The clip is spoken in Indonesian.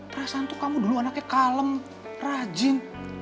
perasaan tuh kamu dulu anaknya kalem rajin